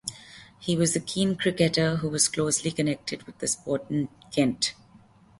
He was a keen cricketer who was closely connected with the sport in Kent.